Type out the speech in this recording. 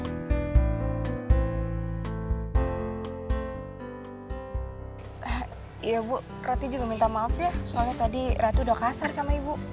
ya ibu ratih juga minta maaf ya soalnya tadi ratih udah kasar sama ibu